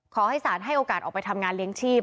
ขอให้ศาลให้โอกาสออกไปทำงานเลี้ยงชีพ